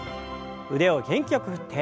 腕を元気よく振って。